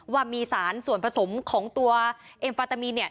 ว่ามีสารส่วนผสมของตัวเอ็มฟาตามีนเนี่ย